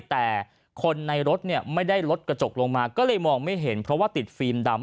แต่คนในรถเนี่ยไม่ได้ลดกระจกลงมาก็เลยมองไม่เห็นเพราะว่าติดฟิล์มดำ